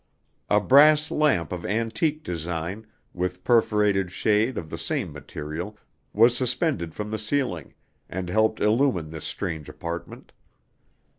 A brass lamp of antique design, with perforated shade of the same material, was suspended from the ceiling, and helped illumine this strange apartment.